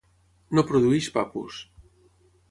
No produeix papus.